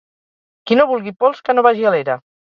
Qui no vulgui pols, que no vagi a l'era.